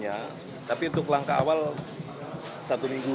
jadi itu sementara satu minggu ya